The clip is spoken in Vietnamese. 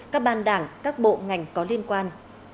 các ban đảng các bộ ngành có liên quan